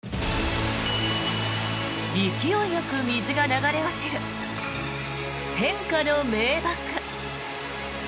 勢いよく水が流れ落ちる天下の名瀑。